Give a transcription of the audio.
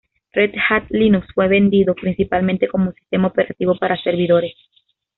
Red Hat Linux fue vendido principalmente como un sistema operativo para servidores.